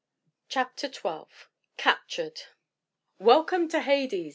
CHAPTER XII CAPTURED "Welcome to Hades!"